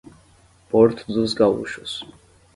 Porto dos Gaúchos